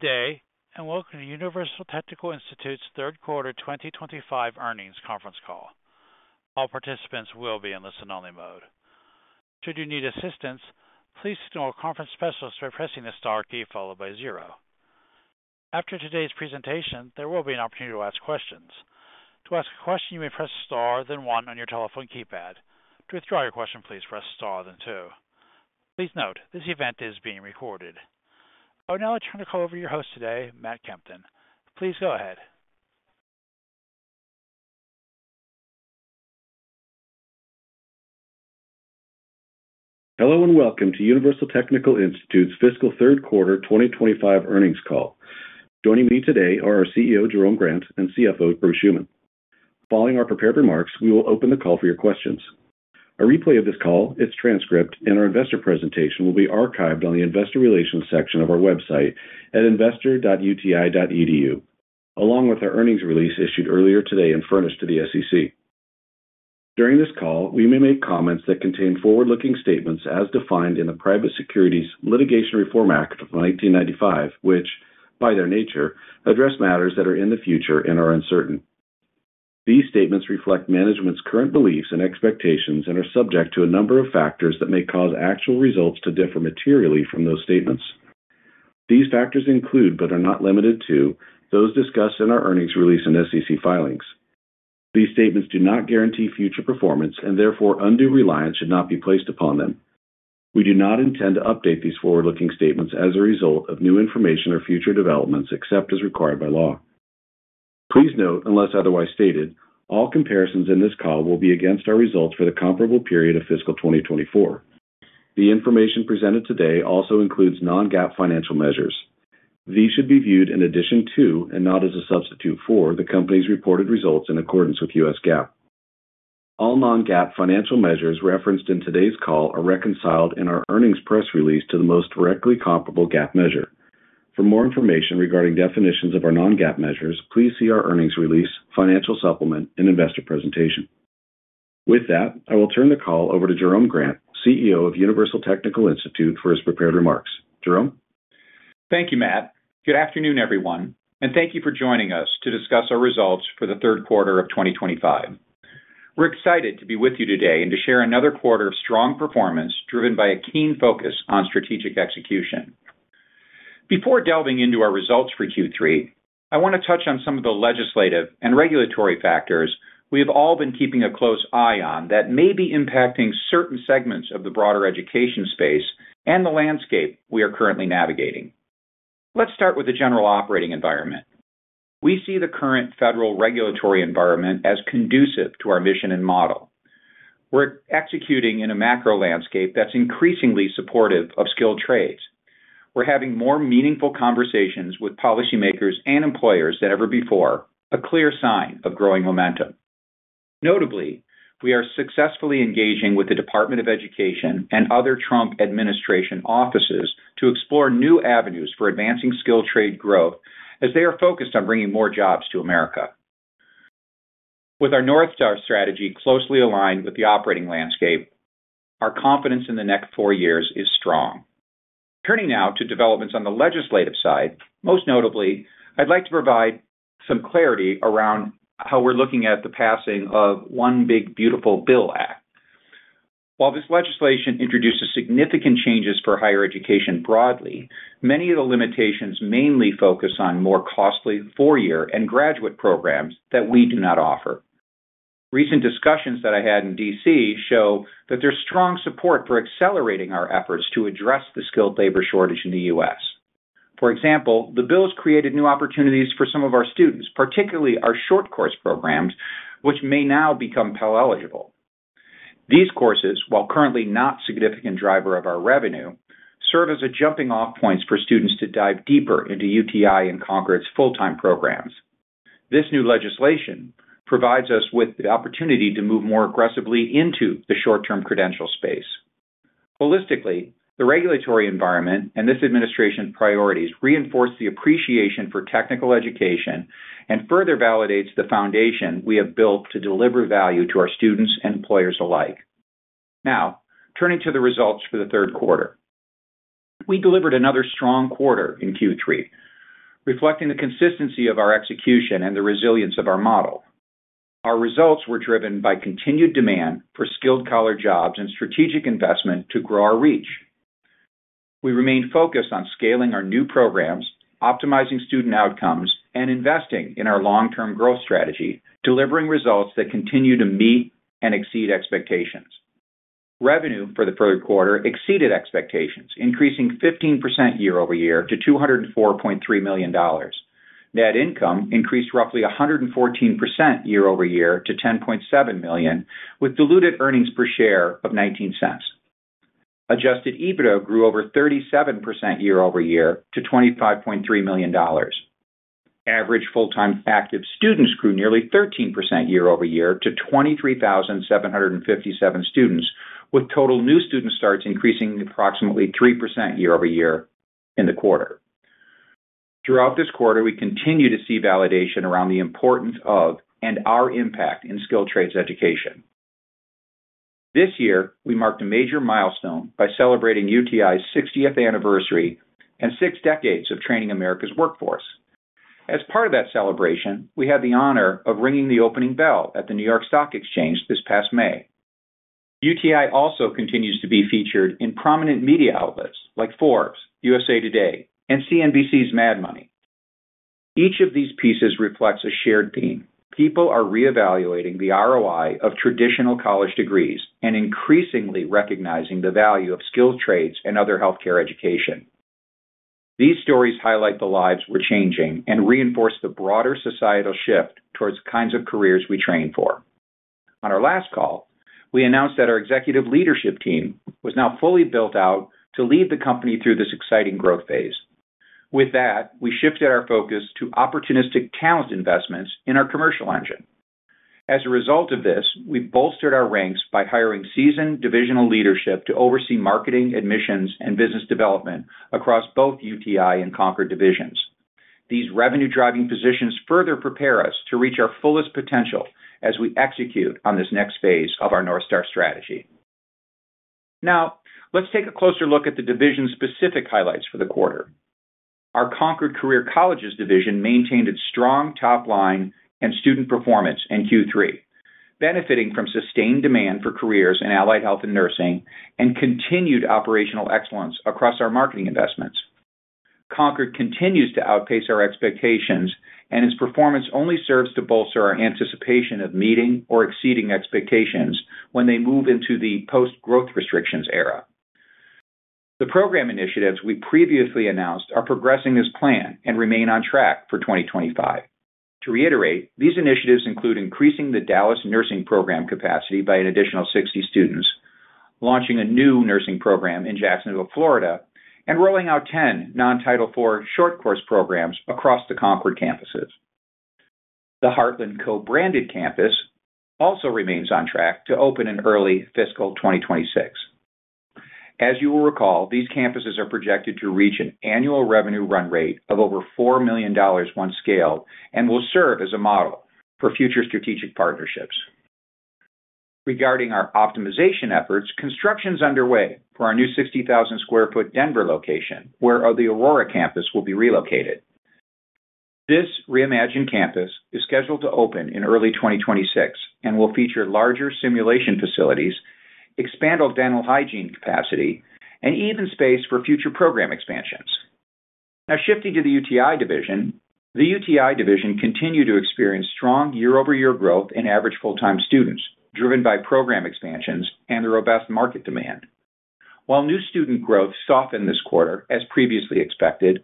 Today, and welcome to Universal Technical Institute's Third Quarter 2025 Earnings Conference Call. All participants will be in listen-only mode. Should you need assistance, please know our conference specialists by pressing the star key followed by zero. After today's presentation, there will be an opportunity to ask questions. To ask a question, you may press star then one on your telephone keypad. To withdraw your question, please press star then two. Please note, this event is being recorded. I would now like to turn the call over to your host today, Matt Kempton. Please go ahead. Hello and welcome to Universal Technical Institute's Fiscal Third Quarter 2025 Earnings call. Joining me today are our CEO, Jerome Grant, and CFO, Bruce Schuman. Following our prepared remarks, we will open the call for your questions. A replay of this call, its transcript, and our investor presentation will be archived on the Investor Relations section of our website at investor.uti.edu, along with our earnings release issued earlier today and furnished to the SEC. During this call, we may make comments that contain forward-looking statements as defined in the Private Securities Litigation Reform Act of 1995, which, by their nature, address matters that are in the future and are uncertain. These statements reflect management's current beliefs and expectations and are subject to a number of factors that may cause actual results to differ materially from those statements. These factors include, but are not limited to, those discussed in our earnings release and SEC filings. These statements do not guarantee future performance, and therefore undue reliance should not be placed upon them. We do not intend to update these forward-looking statements as a result of new information or future developments, except as required by law. Please note, unless otherwise stated, all comparisons in this call will be against our results for the comparable period of fiscal 2024. The information presented today also includes non-GAAP financial measures. These should be viewed in addition to, and not as a substitute for, the company's reported results in accordance with U.S. GAAP. All non-GAAP financial measures referenced in today's call are reconciled in our earnings press release to the most directly comparable GAAP measure. For more information regarding definitions of our non-GAAP measures, please see our earnings release, financial supplement, and investor presentation. With that, I will turn the call over to Jerome Grant, CEO of Universal Technical Institute, for his prepared remarks. Jerome? Thank you, Matt. Good afternoon, everyone, and thank you for joining us to discuss our results for the third quarter of 2025. We're excited to be with you today and to share another quarter of strong performance driven by a keen focus on strategic execution. Before delving into our results for Q3, I want to touch on some of the legislative and regulatory factors we have all been keeping a close eye on that may be impacting certain segments of the broader education space and the landscape we are currently navigating. Let's start with the general operating environment. We see the current federal regulatory environment as conducive to our mission and model. We're executing in a macro landscape that's increasingly supportive of skilled trades. We're having more meaningful conversations with policymakers and employers than ever before, a clear sign of growing momentum. Notably, we are successfully engaging with the Department of Education and other administration offices to explore new avenues for advancing skilled trade growth as they are focused on bringing more jobs to America. With our North Star Strategy closely aligned with the operating landscape, our confidence in the next four years is strong. Turning now to developments on the legislative side, most notably, I'd like to provide some clarity around how we're looking at the passing of the One Big Beautiful Bill Act. While this legislation introduces significant changes for higher education broadly, many of the limitations mainly focus on more costly four-year and graduate programs that we do not offer. Recent discussions that I had in D.C. show that there's strong support for accelerating our efforts to address the skilled labor shortage in the U.S. For example, the bill has created new opportunities for some of our students, particularly our short course programs, which may now become Pell eligible. These courses, while currently not a significant driver of our revenue, serve as a jumping-off point for students to dive deeper into UTI and Concordee's full-time programs. This new legislation provides us with the opportunity to move more aggressively into the short-term credential space. Holistically, the regulatory environment and this administration's priorities reinforce the appreciation for technical education and further validate the foundation we have built to deliver value to our students and employers alike. Now, turning to the results for the third quarter, we delivered another strong quarter in Q3, reflecting the consistency of our execution and the resilience of our model. Our results were driven by continued demand for skilled-collar jobs and strategic investment to grow our reach. We remain focused on scaling our new programs, optimizing student outcomes, and investing in our long-term growth strategy, delivering results that continue to meet and exceed expectations. Revenue for the third quarter exceeded expectations, increasing 15% year-over-year to $204.3 million. Net income increased roughly 114% year-over-year to $10.7 million, with diluted earnings per share of $0.19. Adjusted EBITDA grew over 37% year-over-year to $25.3 million. Average full-time active students grew nearly 13% year-over-year to 23,757 students, with total new student starts increasing approximately 3% year-over-year in the quarter. Throughout this quarter, we continue to see validation around the importance of and our impact in skilled trades education. This year, we marked a major milestone by celebrating UTI's 60th anniversary and six decades of training America's workforce. As part of that celebration, we had the honor of ringing the opening bell at the New York Stock Exchange this past May. UTI also continues to be featured in prominent media outlets like Forbes, USA TODAY, and CNBC's Mad Money. Each of these pieces reflects a shared theme: people are reevaluating the ROI of traditional college degrees and increasingly recognizing the value of skilled trades and other healthcare education. These stories highlight the lives we're changing and reinforce the broader societal shift towards the kinds of careers we train for. On our last call, we announced that our executive leadership team was now fully built out to lead the company through this exciting growth phase. With that, we shifted our focus to opportunistic talent investments in our commercial engine. As a result of this, we bolstered our ranks by hiring seasoned divisional leadership to oversee marketing, admissions, and business development across both UTI and Concordee divisions. These revenue-driving positions further prepare us to reach our fullest potential as we execute on this next phase of our North Star Strategy. Now, let's take a closer look at the division-specific highlights for the quarter. Our Concordee Career Colleges division maintained its strong top line and student performance in Q3, benefiting from sustained demand for careers in allied health and nursing and continued operational excellence across our marketing investments. Concordee continues to outpace our expectations, and its performance only serves to bolster our anticipation of meeting or exceeding expectations when they move into the post-growth restrictions era. The program initiatives we previously announced are progressing as planned and remain on track for 2025. To reiterate, these initiatives include increasing the Dallas nursing program capacity by an additional 60 students, launching a new nursing program in Jacksonville, Florida, and rolling out 10 non-Title IV short course programs across the Concordee campuses. The Heartland co-branded campus also remains on track to open in early fiscal 2026. As you will recall, these campuses are projected to reach an annual revenue run rate of over $4 million once scaled and will serve as a model for future strategic partnerships. Regarding our optimization efforts, construction is underway for our new 60,000 sq ft Denver location, where the Aurora campus will be relocated. This reimagined campus is scheduled to open in early 2026 and will feature larger simulation facilities, expanded dental hygiene capacity, and even space for future program expansions. Now, shifting to the UTI division, the UTI division continued to experience strong year-over-year growth in average full-time active students, driven by program expansions and the robust market demand. While new student growth softened this quarter, as previously expected,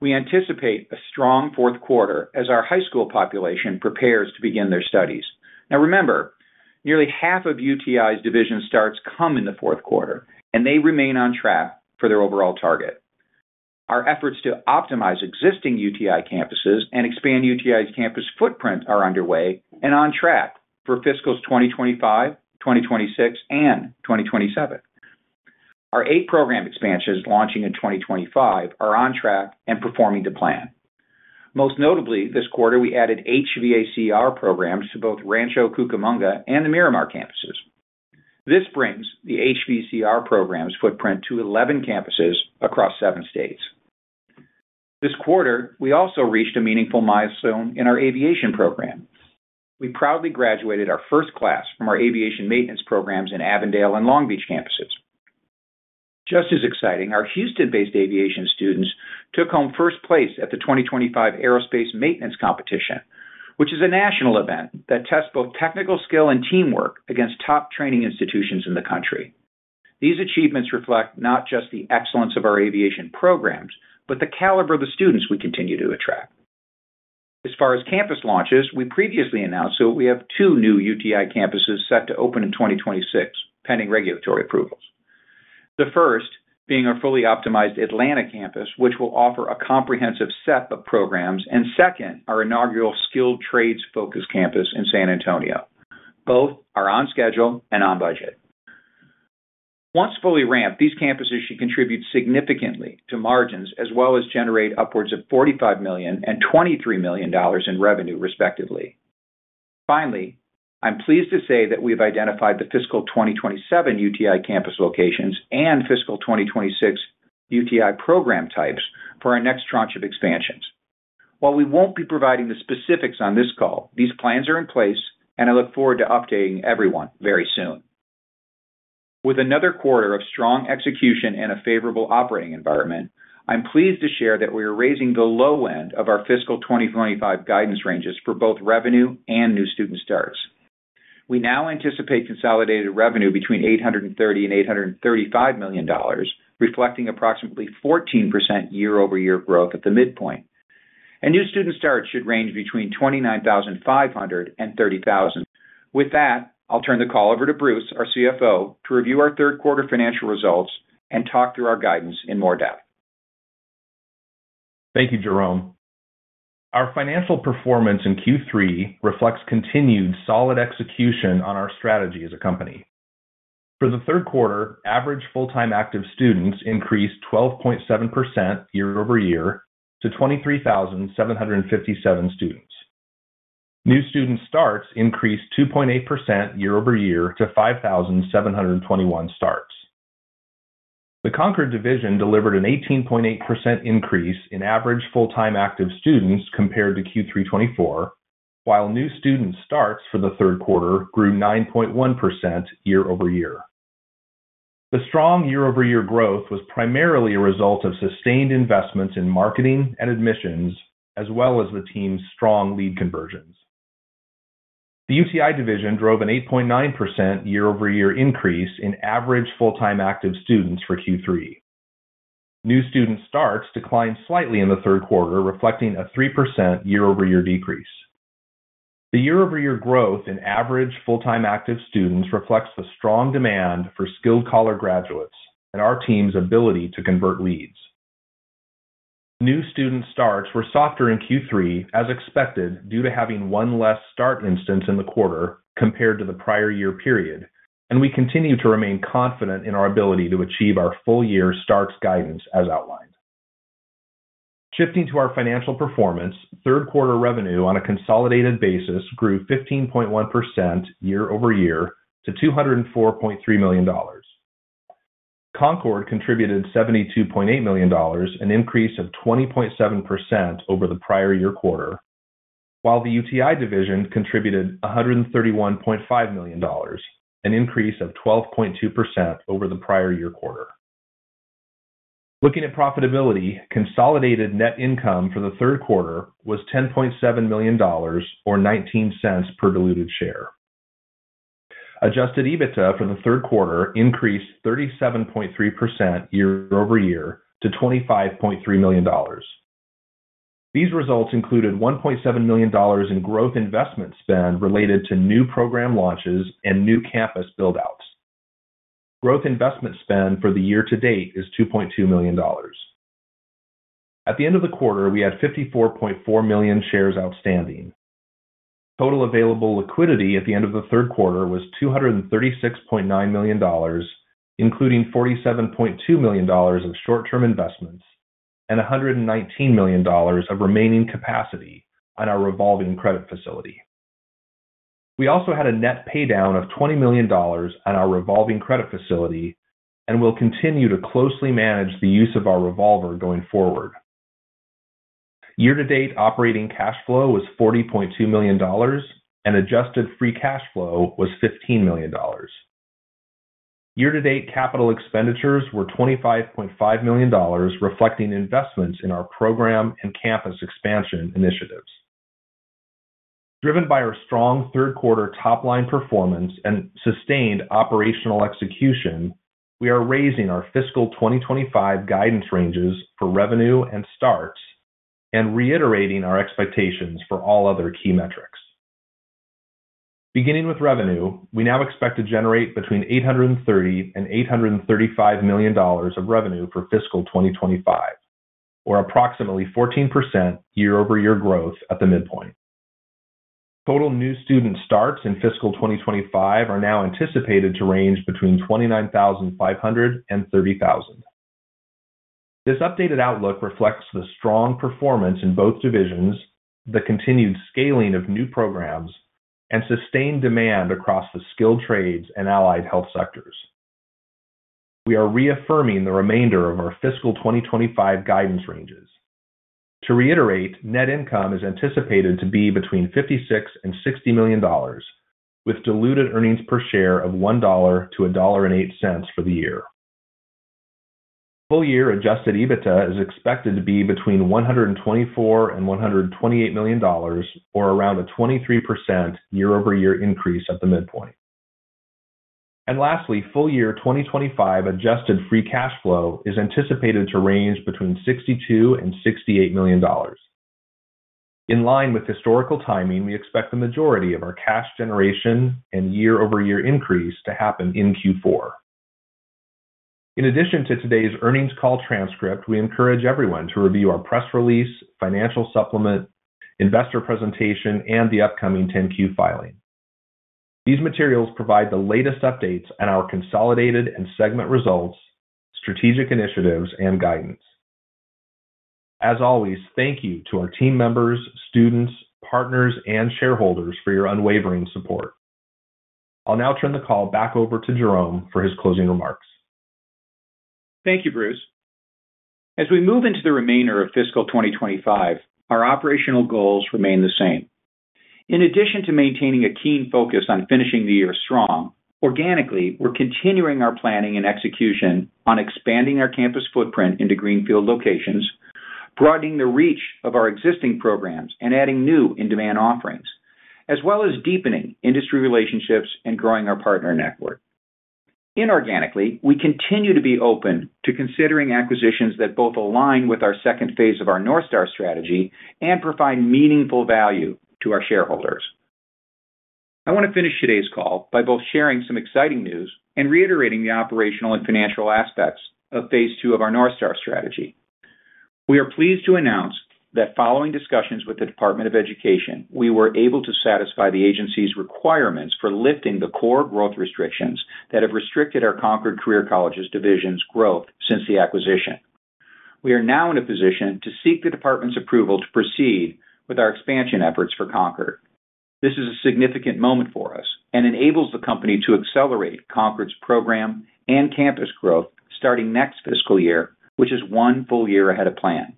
we anticipate a strong fourth quarter as our high school population prepares to begin their studies. Now, remember, nearly half of UTI's division starts come in the fourth quarter, and they remain on track for their overall target. Our efforts to optimize existing UTI campuses and expand UTI's campus footprint are underway and on track for fiscals 2025, 2026, and 2027. Our eight program expansions launching in 2025 are on track and performing to plan. Most notably, this quarter we added HVACR programs to both Rancho Cucamonga and the Miramar campuses. This brings the HVACR program's footprint to 11 campuses across seven states. This quarter, we also reached a meaningful milestone in our aviation program. We proudly graduated our first class from our aviation maintenance programs in Avondale and Long Beach campuses. Just as exciting, our Houston-based aviation students took home first place at the 2025 Aerospace Maintenance Competition, which is a national event that tests both technical skill and teamwork against top training institutions in the country. These achievements reflect not just the excellence of our aviation programs, but the caliber of the students we continue to attract. As far as campus launches, we previously announced that we have two new UTI campuses set to open in 2026, pending regulatory approvals. The first being our fully optimized Atlanta campus, which will offer a comprehensive set of programs, and second, our inaugural skilled trades focus campus in San Antonio. Both are on schedule and on budget. Once fully ramped, these campuses should contribute significantly to margins as well as generate upwards of $45 million and $23 million in revenue, respectively. Finally, I'm pleased to say that we've identified the fiscal 2027 UTI campus locations and fiscal 2026 UTI program types for our next tranche of expansions. While we won't be providing the specifics on this call, these plans are in place, and I look forward to updating everyone very soon. With another quarter of strong execution and a favorable operating environment, I'm pleased to share that we are raising the low end of our fiscal 2025 guidance ranges for both revenue and new student starts. We now anticipate consolidated revenue between $830 million and $835 million, reflecting approximately 14% year-over-year growth at the midpoint. New student starts should range between 29,500 and 30,000. With that, I'll turn the call over to Bruce, our CFO, to review our third quarter financial results and talk through our guidance in more depth. Thank you, Jerome. Our financial performance in Q3 reflects continued solid execution on our strategy as a company. For the third quarter, average full-time active students increased 12.7% year-over-year to 23,757 students. New student starts increased 2.8% year-over-year to 5,721 starts. The Concordee division delivered an 18.8% increase in average full-time active students compared to Q3 2024, while new student starts for the third quarter grew 9.1% year-over-year. The strong year-over-year growth was primarily a result of sustained investments in marketing and admissions, as well as the team's strong lead conversions. The UTI division drove an 8.9% year-over-year increase in average full-time active students for Q3. New student starts declined slightly in the third quarter, reflecting a 3% year-over-year decrease. The year-over-year growth in average full-time active students reflects the strong demand for skilled trades graduates and our team's ability to convert leads. New student starts were softer in Q3, as expected, due to having one less start instance in the quarter compared to the prior year period, and we continue to remain confident in our ability to achieve our full-year starts guidance as outlined. Shifting to our financial performance, third quarter revenue on a consolidated basis grew 15.1% year-over-year to $204.3 million. Concorde contributed $72.8 million, an increase of 20.7% over the prior year quarter, while the UTI division contributed $131.5 million, an increase of 12.2% over the prior year quarter. Looking at profitability, consolidated net income for the third quarter was $10.7 million, or $0.19 per diluted share. Adjusted EBITDA for the third quarter increased 37.3% year-over-year to $25.3 million. These results included $1.7 million in growth investment spend related to new program launches and new campus build-outs. Growth investment spend for the year to date is $2.2 million. At the end of the quarter, we had 54.4 million shares outstanding. Total available liquidity at the end of the third quarter was $236.9 million, including $47.2 million of short-term investments and $119 million of remaining capacity on our revolving credit facility. We also had a net paydown of $20 million on our revolving credit facility and will continue to closely manage the use of our revolver going forward. Year-to-date operating cash flow was $40.2 million, and adjusted free cash flow was $15 million. Year-to-date capital expenditures were $25.5 million, reflecting investments in our program and campus expansion initiatives. Driven by our strong third quarter top-line performance and sustained operational execution, we are raising our fiscal 2025 guidance ranges for revenue and starts and reiterating our expectations for all other key metrics. Beginning with revenue, we now expect to generate between $830 and $835 million of revenue for fiscal 2025, or approximately 14% year-over-year growth at the midpoint. Total new student starts in fiscal 2025 are now anticipated to range between 29,500 and 30,000. This updated outlook reflects the strong performance in both divisions, the continued scaling of new programs, and sustained demand across the skilled trades and allied health sectors. We are reaffirming the remainder of our fiscal 2025 guidance ranges. To reiterate, net income is anticipated to be between $56 and $60 million, with diluted earnings per share of $1-$1.08 for the year. Full-year adjusted EBITDA is expected to be between $124 and $128 million, or around a 23% year-over-year increase at the midpoint. Lastly, full-year 2025 adjusted free cash flow is anticipated to range between $62 and $68 million. In line with historical timing, we expect the majority of our cash generation and year-over-year increase to happen in Q4. In addition to today's earnings call transcript, we encourage everyone to review our press release, financial supplement, investor presentation, and the upcoming 10-Q filing. These materials provide the latest updates on our consolidated and segment results, strategic initiatives, and guidance. As always, thank you to our team members, students, partners, and shareholders for your unwavering support. I'll now turn the call back over to Jerome for his closing remarks. Thank you, Bruce. As we move into the remainder of fiscal 2025, our operational goals remain the same. In addition to maintaining a keen focus on finishing the year strong, organically, we're continuing our planning and execution on expanding our campus footprint into greenfield locations, broadening the reach of our existing programs, and adding new in-demand offerings, as well as deepening industry relationships and growing our partner network. Inorganically, we continue to be open to considering acquisitions that both align with our second phase of our North Star Strategy and provide meaningful value to our shareholders. I want to finish today's call by both sharing some exciting news and reiterating the operational and financial aspects of phase two of our North Star Strategy. We are pleased to announce that following discussions with the Department of Education, we were able to satisfy the agency's requirements for lifting the core growth restrictions that have restricted our Concorde Career Colleges division's growth since the acquisition. We are now in a position to seek the Department's approval to proceed with our expansion efforts for Concorde. This is a significant moment for us and enables the company to accelerate Concorde's program and campus growth starting next fiscal year, which is one full year ahead of plan.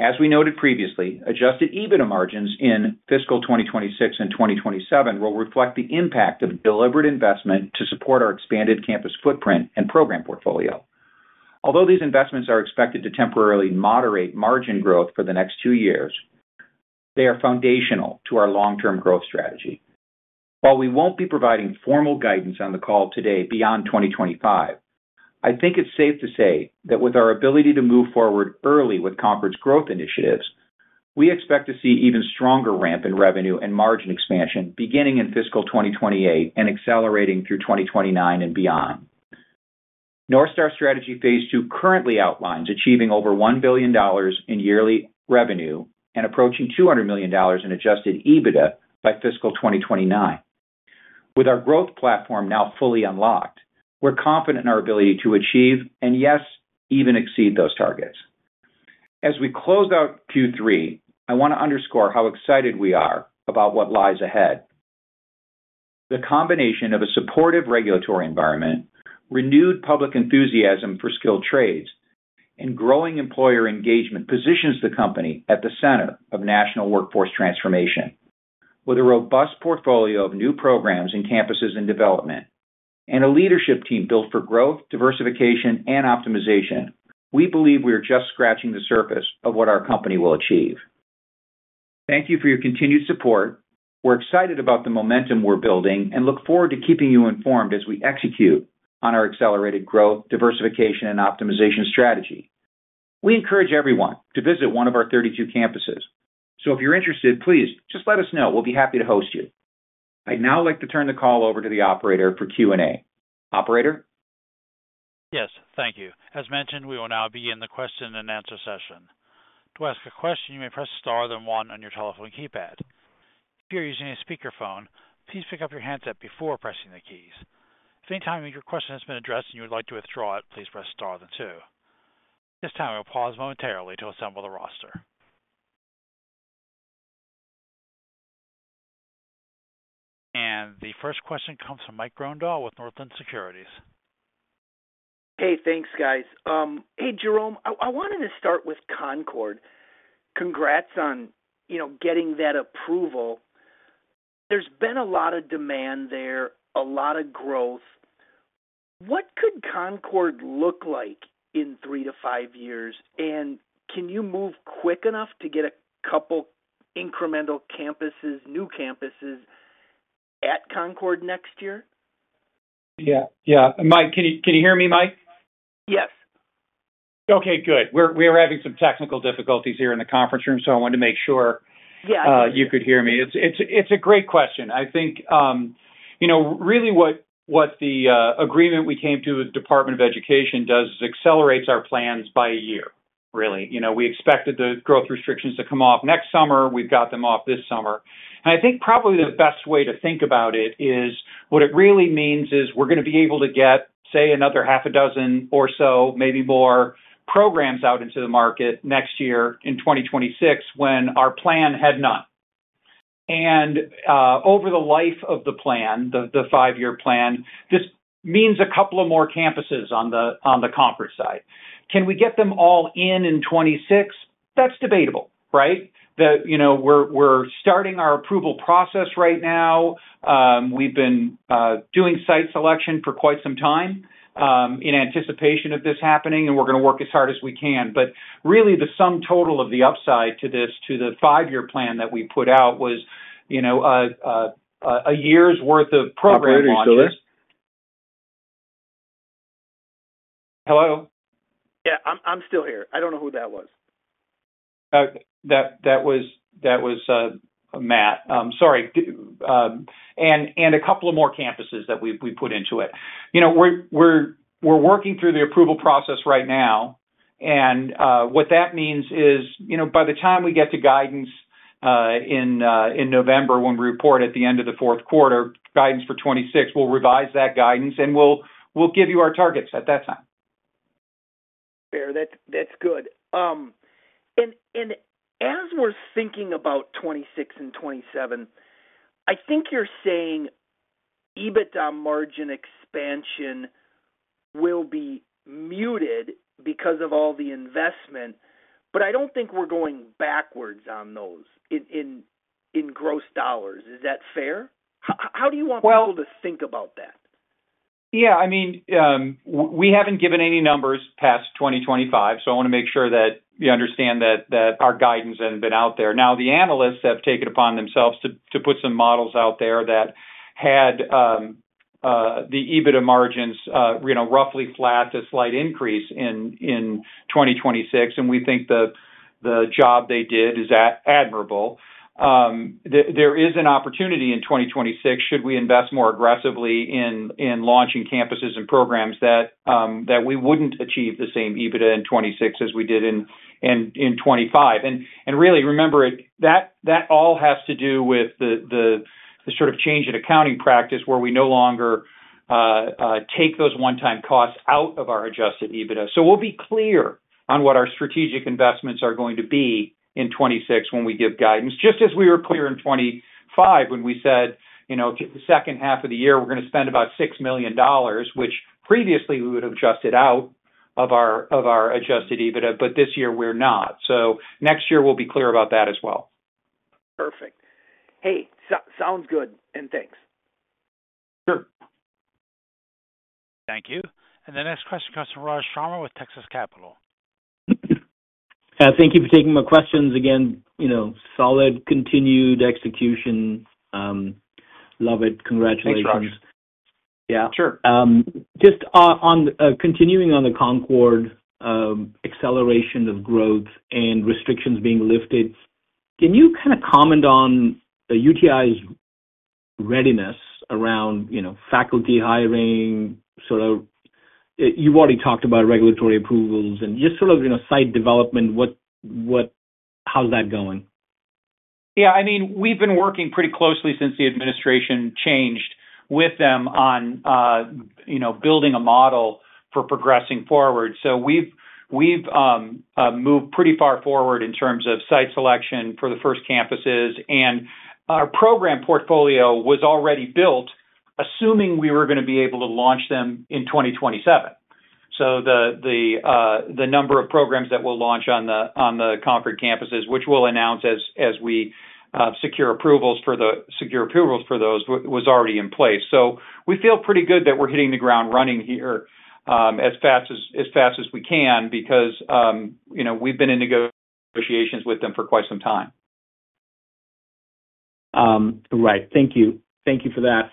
As we noted previously, adjusted EBITDA margins in fiscal 2026 and 2027 will reflect the impact of deliberate investment to support our expanded campus footprint and program portfolio. Although these investments are expected to temporarily moderate margin growth for the next two years, they are foundational to our long-term growth strategy. While we won't be providing formal guidance on the call today beyond 2025, I think it's safe to say that with our ability to move forward early with Concorde's growth initiatives, we expect to see even stronger ramp in revenue and margin expansion beginning in fiscal 2028 and accelerating through 2029 and beyond. North Star Strategy phase two currently outlines achieving over $1 billion in yearly revenue and approaching $200 million in adjusted EBITDA by fiscal 2029. With our growth platform now fully unlocked, we're confident in our ability to achieve and, yes, even exceed those targets. As we close out Q3, I want to underscore how excited we are about what lies ahead. The combination of a supportive regulatory environment, renewed public enthusiasm for skilled trades, and growing employer engagement positions the company at the center of national workforce transformation. With a robust portfolio of new programs and campuses in development and a leadership team built for growth, diversification, and optimization, we believe we are just scratching the surface of what our company will achieve. Thank you for your continued support. We're excited about the momentum we're building and look forward to keeping you informed as we execute on our accelerated growth, diversification, and optimization strategy. We encourage everyone to visit one of our 32 campuses. If you're interested, please just let us know. We'll be happy to host you. I'd now like to turn the call over to the operator for Q&A. Operator? Yes, thank you. As mentioned, we will now begin the question and answer session. To ask a question, you may press star then one on your telephone keypad. If you're using a speakerphone, please pick up your headset before pressing the keys. If at any time your question has been addressed and you would like to withdraw it, please press star then two. At this time, I will pause momentarily to assemble the roster. The first question comes from Mike Grondahl with Northland Securities. Hey, thanks, guys. Hey, Jerome, I wanted to start with Concorde. Congrats on, you know, getting that approval. There's been a lot of demand there, a lot of growth. What could Concorde look like in three to five years, and can you move quick enough to get a couple incremental campuses, new campuses at Concorde next year? Yeah. Mike, can you hear me, Mike? Yes. Okay, good. We're having some technical difficulties here in the conference room, so I wanted to make sure you could hear me. It's a great question. I think, you know, really what the agreement we came to with the Department of Education does is accelerate our plans by a year, really. You know, we expected the growth restrictions to come off next summer. We've got them off this summer. I think probably the best way to think about it is what it really means is we're going to be able to get, say, another half a dozen or so, maybe more programs out into the market next year in 2026 when our plan had not. Over the life of the plan, the five-year plan, this means a couple of more campuses on the Concorde side. Can we get them all in in 2026? That's debatable, right? You know, we're starting our approval process right now. We've been doing site selection for quite some time in anticipation of this happening, and we're going to work as hard as we can. Really, the sum total of the upside to this, to the five-year plan that we put out, was, you know, a year's worth of programs. Everyone, are you still there? Hello? Yeah, I'm still here. I don't know who that was. That was Matt. Sorry. A couple of more campuses that we put into it. We're working through the approval process right now. What that means is, by the time we get to guidance in November, when we report at the end of the fourth quarter, guidance for 2026, we'll revise that guidance and we'll give you our targets at that time. Fair. That's good. As we're thinking about 2026 and 2027, I think you're saying EBITDA margin expansion will be muted because of all the investment, but I don't think we're going backwards on those in gross dollars. Is that fair? How do you want people to think about that? Yeah, I mean, we haven't given any numbers past 2025, so I want to make sure that you understand that our guidance has been out there. The analysts have taken it upon themselves to put some models out there that had the EBITDA margins, you know, roughly flat to slight increase in 2026, and we think the job they did is admirable. There is an opportunity in 2026, should we invest more aggressively in launching campuses and programs that we wouldn't achieve the same EBITDA in 2026 as we did in 2025. Really, remember, that all has to do with the sort of change in accounting practice where we no longer take those one-time costs out of our adjusted EBITDA. We'll be clear on what our strategic investments are going to be in 2026 when we give guidance, just as we were clear in 2025 when we said, you know, the second half of the year, we're going to spend about $6 million, which previously we would have adjusted out of our adjusted EBITDA, but this year we're not. Next year we'll be clear about that as well. Perfect. Hey, sounds good and thanks. Thank you. The next question comes from Raj Sharma with Texas Capital. Thank you for taking my questions. Again, you know, solid continued execution. Love it. Congratulations. Thank you. Yeah, sure. Just continuing on the Concorde acceleration of growth and restrictions being lifted, can you comment on UTI's readiness around faculty hiring? You've already talked about regulatory approvals and site development. What's that going? Yeah, I mean, we've been working pretty closely since the administration changed with them on, you know, building a model for progressing forward. We've moved pretty far forward in terms of site selection for the first campuses, and our program portfolio was already built, assuming we were going to be able to launch them in 2027. The number of programs that we'll launch on the Concorde campuses, which we'll announce as we secure approvals for those, was already in place. We feel pretty good that we're hitting the ground running here as fast as we can because, you know, we've been in negotiations with them for quite some time. Thank you. Thank you for that.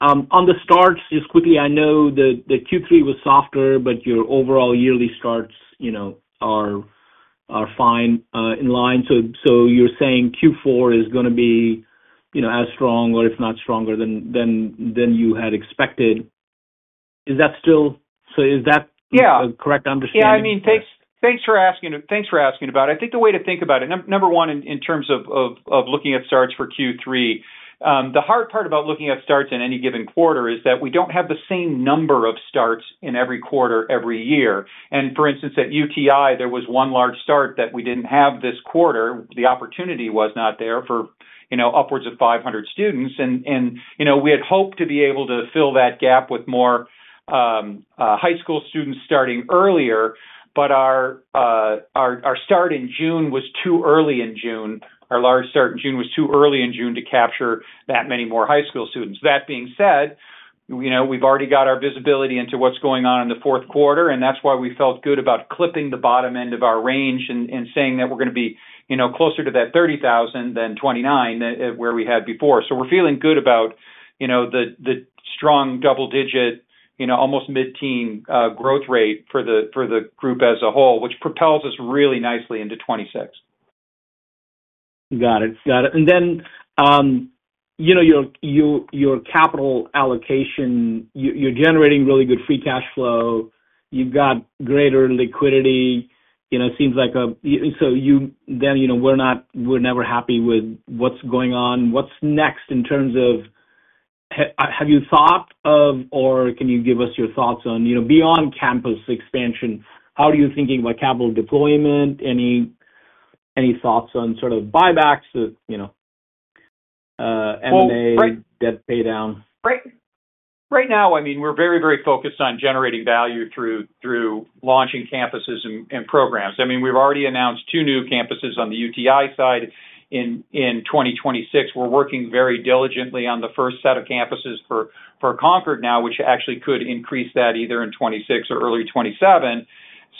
On the starts, just quickly, I know the Q3 was softer, but your overall yearly starts are fine in line. You're saying Q4 is going to be, you know, as strong, or if not stronger than you had expected. Is that still, so is that a correct understanding? Yeah, I mean, thanks for asking about it. I think the way to think about it, number one, in terms of looking at starts for Q3, the hard part about looking at starts in any given quarter is that we don't have the same number of starts in every quarter every year. For instance, at UTI, there was one large start that we didn't have this quarter. The opportunity was not there for, you know, upwards of 500 students. We had hoped to be able to fill that gap with more high school students starting earlier, but our start in June was too early in June. Our large start in June was too early in June to capture that many more high school students. That being said, we've already got our visibility into what's going on in the fourth quarter, and that's why we felt good about clipping the bottom end of our range and saying that we're going to be closer to that 30,000 than 29,000 where we had before. We're feeling good about the strong double-digit, almost mid-teen growth rate for the group as a whole, which propels us really nicely into 2026. Got it. Your capital allocation, you're generating really good free cash flow. You've got greater liquidity. It seems like we're never happy with what's going on. What's next in terms of, have you thought of, or can you give us your thoughts on, beyond campus expansion? How are you thinking about capital deployment? Any thoughts on sort of buybacks to M&A, debt paydown? Right now, we're very, very focused on generating value through launching campuses and programs. We've already announced two new campuses on the UTI side in 2026. We're working very diligently on the first set of campuses for Concorde now, which actually could increase that either in 2026 or early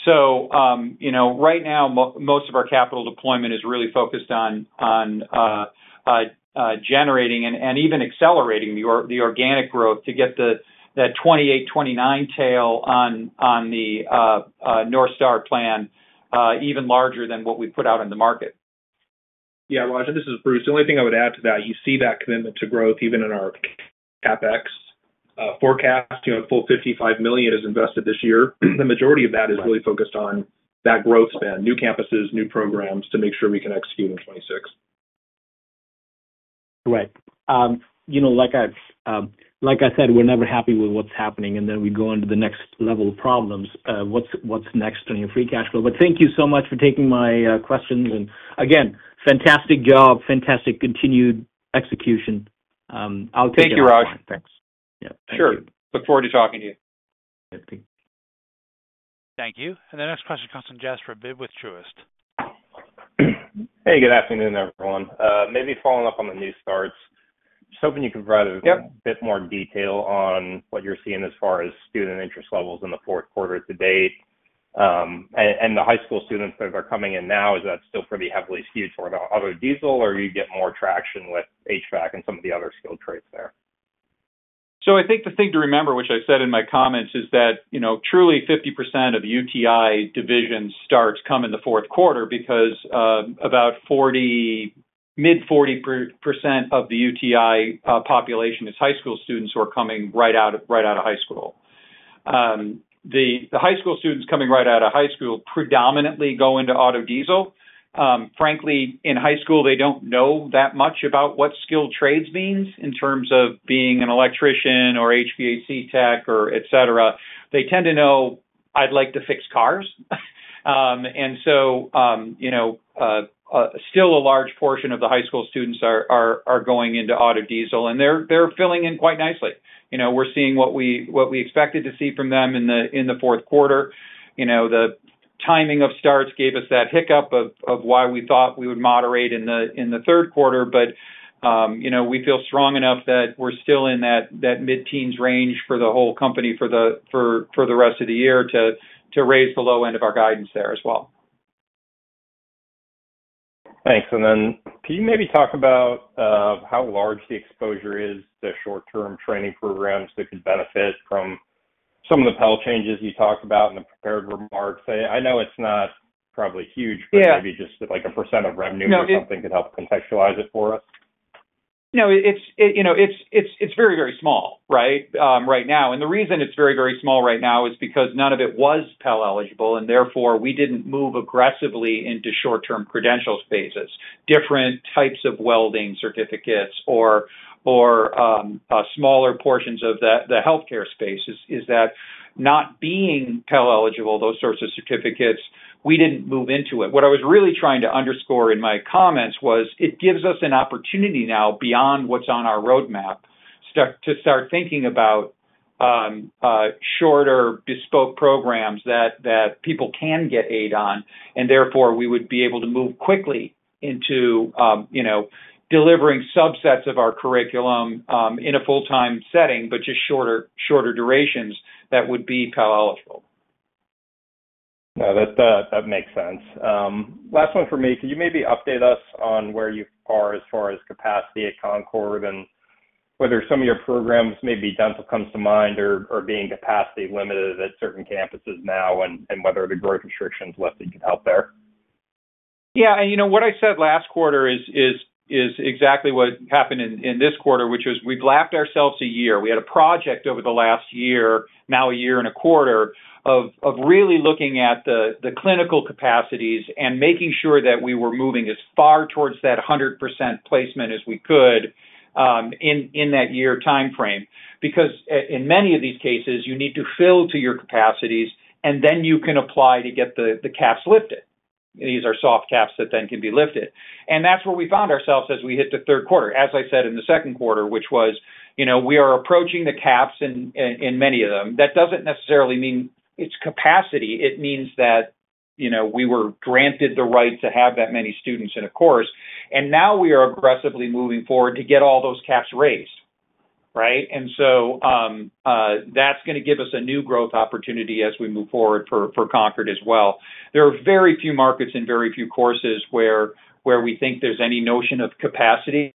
2027. Right now, most of our capital deployment is really focused on generating and even accelerating the organic growth to get that 2028, 2029 tail on the North Star plan even larger than what we've put out on the market. I think this is Bruce. The only thing I would add to that, you see that commitment to growth even in our CapEx forecast. A full $55 million is invested this year. The majority of that is really focused on that growth spend, new campuses, new programs to make sure we can execute in 2026. Right. Like I said, we're never happy with what's happening, and we go into the next level of problems. What's next on your free cash flow? Thank you so much for taking my questions. Again, fantastic job, fantastic continued execution. Thank you, Raj. Thanks. Yeah, sure. Look forward to talking to you. Thank you. The next question comes from Jasper Bibb. Hey, good afternoon, everyone. Maybe following up on the new starts, just hoping you could provide a bit more detail on what you're seeing as far as student interest levels in the fourth quarter to date. The high school students that are coming in now, is that still pretty heavily skewed toward auto/diesel, or are you getting more traction with HVACR and some of the other skilled trades there? I think the thing to remember, which I said in my comments, is that truly 50% of the UTI division starts come in the fourth quarter because about 40%, mid-40% of the UTI population is high school students who are coming right out of high school. The high school students coming right out of high school predominantly go into auto diesel. Frankly, in high school, they don't know that much about what skilled trades means in terms of being an electrician or HVACR tech or et cetera. They tend to know, I'd like to fix cars. Still, a large portion of the high school students are going into auto diesel, and they're filling in quite nicely. We're seeing what we expected to see from them in the fourth quarter. The timing of starts gave us that hiccup of why we thought we would moderate in the third quarter, but we feel strong enough that we're still in that mid-teens range for the whole company for the rest of the year to raise the low end of our guidance there as well. Thanks. Can you maybe talk about how large the exposure is to short-term training programs that could benefit from some of the Pell changes you talked about in the prepared remarks? I know it's not probably huge, but maybe just like a percent of revenue or something could help contextualize it for us. No, it's very, very small right now. The reason it's very, very small right now is because none of it was Pell eligible, and therefore we didn't move aggressively into short-term credentials phases, different types of welding certificates, or smaller portions of the healthcare space. Is that not being Pell eligible, those sorts of certificates, we didn't move into it. What I was really trying to underscore in my comments was it gives us an opportunity now beyond what's on our roadmap to start thinking about shorter bespoke programs that people can get aid on, and therefore we would be able to move quickly into delivering subsets of our curriculum in a full-time setting, but just shorter durations that would be Pell eligible. That makes sense. Last one for me. Can you maybe update us on where you are as far as capacity at Concorde and whether some of your programs, maybe dental comes to mind, are being capacity limited at certain campuses now and whether the growth restrictions lifted could help there? Yeah, and you know what I said last quarter is exactly what happened in this quarter, which was we've lapped ourselves a year. We had a project over the last year, now a year and a quarter, of really looking at the clinical capacities and making sure that we were moving as far towards that 100% placement as we could in that year timeframe. In many of these cases, you need to fill to your capacities, and then you can apply to get the caps lifted. These are soft caps that then can be lifted. That's where we found ourselves as we hit the third quarter. As I said in the second quarter, we are approaching the caps in many of them. That doesn't necessarily mean it's capacity. It means that we were granted the right to have that many students in a course, and now we are aggressively moving forward to get all those caps raised. That's going to give us a new growth opportunity as we move forward for Concorde as well. There are very few markets and very few courses where we think there's any notion of capacity,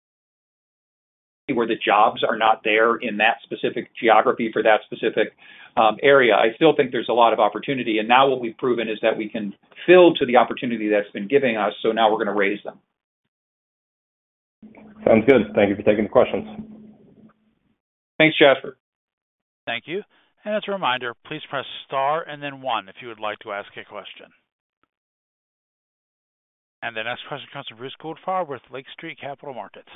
where the jobs are not there in that specific geography for that specific area. I still think there's a lot of opportunity, and now what we've proven is that we can fill to the opportunity that's been given to us, so now we're going to raise them. Sounds good. Thank you for taking the questions. Thanks, Jasper. Thank you. As a reminder, please press star and then one if you would like to ask a question. The next question comes from Bruce Goldfarb with Lake Street Capital Markets.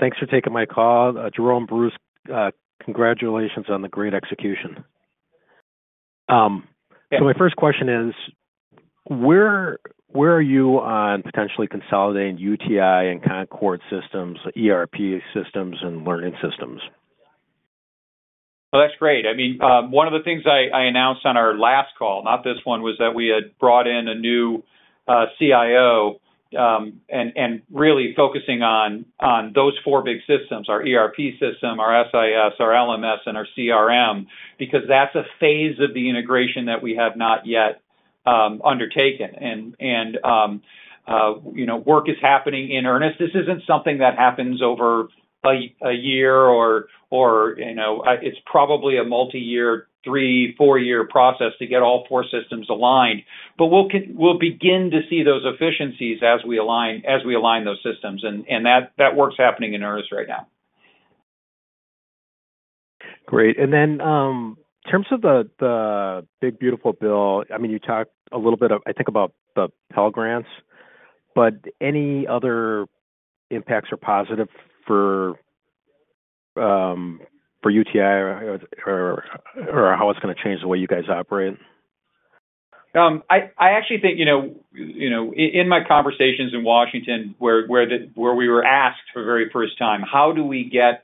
Thanks for taking my call. Jerome, Bruce, congratulations on the great execution. My first question is, where are you on potentially consolidating UTI and Concorde systems, ERP systems, and learning systems? Oh, that's great. One of the things I announced on our last call, not this one, was that we had brought in a new CIO and really focusing on those four big systems, our ERP system, our SIS, our LMS, and our CRM, because that's a phase of the integration that we have not yet undertaken. Work is happening in earnest. This isn't something that happens over a year or, you know, it's probably a multi-year, three or four-year process to get all four systems aligned. We'll begin to see those efficiencies as we align those systems, and that work's happening in earnest right now. Great. In terms of the One Big Beautiful Bill Act, you talked a little bit, I think, about the Pell Grant, but any other impacts are positive for UTI or how it's going to change the way you guys operate? I actually think, you know, in my conversations in Washington where we were asked for the very first time, how do we get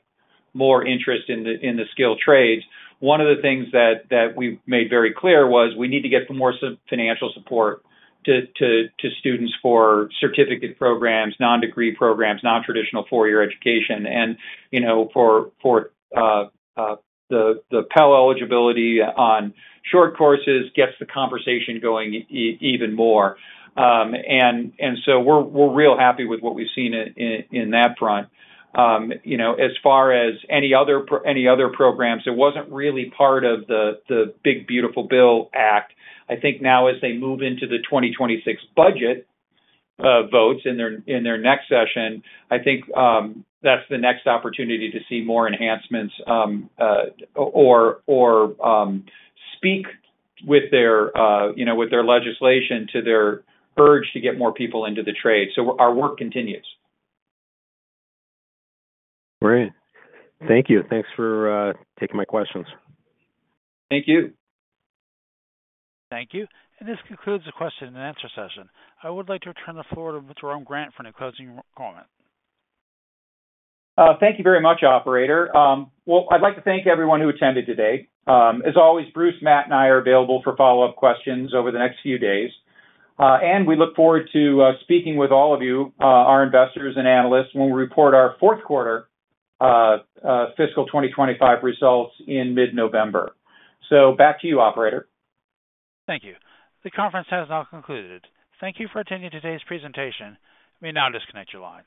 more interest in the skilled trades? One of the things that we made very clear was we need to get more financial support to students for certificate programs, non-degree programs, non-traditional four-year education, and for the Pell eligibility on short courses gets the conversation going even more. We're real happy with what we've seen in that front. As far as any other programs, it wasn't really part of the Big Beautiful Bill Act. I think now as they move into the 2026 budget votes in their next session, I think that's the next opportunity to see more enhancements or speak with their legislation to their urge to get more people into the trade. Our work continues. Great. Thank you. Thanks for taking my questions. Thank you. Thank you. This concludes the question and answer session. I would like to turn the floor to Jerome Grant for any closing comment. Thank you very much, Operator. I’d like to thank everyone who attended today. As always, Bruce, Matt, and I are available for follow-up questions over the next few days. We look forward to speaking with all of you, our investors and analysts, when we report our fourth quarter fiscal 2025 results in mid-November. Back to you, Operator. Thank you. The conference has now concluded. Thank you for attending today's presentation. We now disconnect your lines.